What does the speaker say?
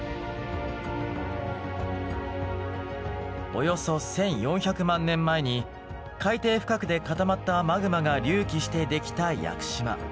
およそ１，４００万年前に海底深くで固まったマグマが隆起してできた屋久島。